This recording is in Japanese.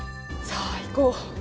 さあ行こう。